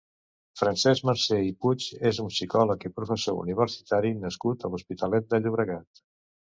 Francesc Marcé i Puig és un psicòlegs i professor universitari nascut a l'Hospitalet de Llobregat.